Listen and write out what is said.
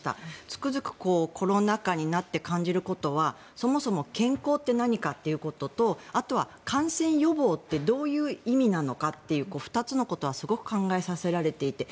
つくづくコロナ禍になって感じることはそもそも健康って何かっていうこととあとは感染予防ってどういう意味なのかという２つのことはすごく考えさせられていて。